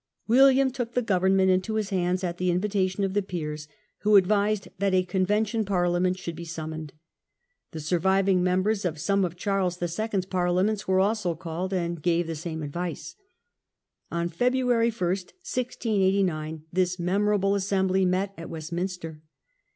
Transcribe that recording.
William took the government into his hands at the invitation of the peers, who advised that a Convention Parliament should be summoned. The surviv The Conven ing members of some of Charles the Second's *»o" "^• Parliaments were also called, and gave the same advice. On February i, 1689, this memorable assembly met at Westminster.